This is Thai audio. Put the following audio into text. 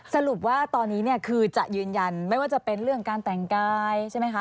สรุปว่าตอนนี้เนี่ยคือจะยืนยันไม่ว่าจะเป็นเรื่องการแต่งกายใช่ไหมคะ